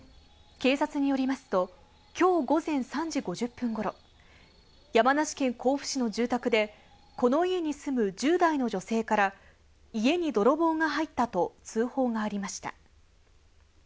警察によりますと今日午前３時５０分頃、山梨県甲府市の住宅で、この家に住む１０代の女性から家に泥棒が入ったと通報がありました。